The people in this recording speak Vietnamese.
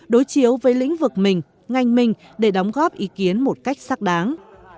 đối chiếu với lĩnh vực mình ngành mình để đóng góp ý kiến một cách xác đáng